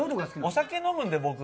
お酒飲むんで、僕。